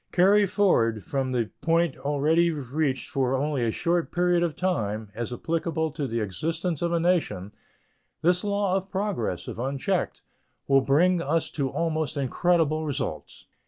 Carried forward from the point already reached for only a short period of time, as applicable to the existence of a nation, this law of progress, if unchecked, will bring us to almost incredible results.